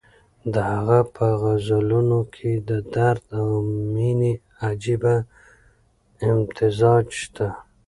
د هغه په غزلونو کې د درد او مېنې عجیبه امتزاج شته.